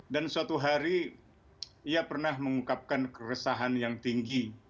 dan suatu hari ia pernah mengungkapkan keresahan yang tinggi